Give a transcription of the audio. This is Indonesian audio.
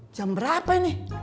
jam berapa ini